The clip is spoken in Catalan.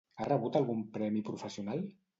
Ha rebut algun premi professional?